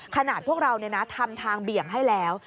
ขนาดพวกเราทำทางเบี่ยงให้แล้ว